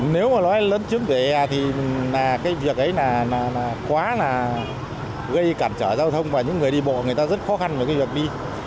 nếu mà nói lấn chiếm vỉa hè thì là cái việc ấy là quá là gây cản trở giao thông và những người đi bộ người ta rất khó khăn với cái việc đi